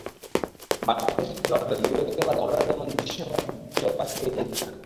বাংলাদেশের খেলোয়াড়দের দু-একজন বাদে অন্যরা যেমন দেশি সাংবাদিক দেখলেও পাশ কাটিয়ে যান।